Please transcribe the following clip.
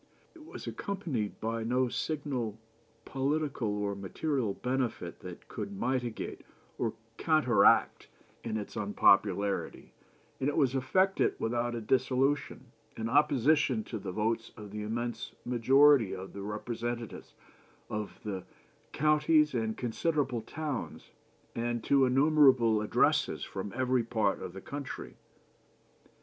It was accompanied by no signal political or material benefit that could mitigate or counteract its unpopularity, and it was effected without a dissolution, in opposition to the votes of the immense majority of the representatives of the counties and considerable towns, and to innumerable addresses from every part of the country.